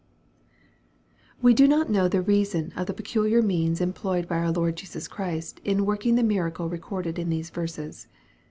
WE do not know the reason of the peculiar means em ployed by our Lord Jesus Chirst, in working the miracle recorded in these verses.